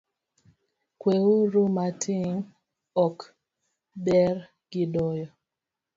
Kweru matin ok ber gidoyo.